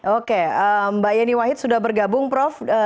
oke mbak yeni wahid sudah bergabung prof